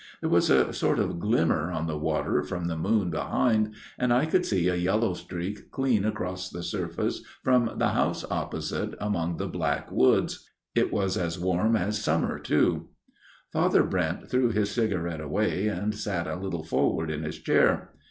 There was a sort of glimmer on the water from the moon behind, and I could see a yellow streak clean across the surface from the house opposite among the black woods. It was as warm as summer too/* Father Brent threw his cigarette away, and sat a little forward in his chair.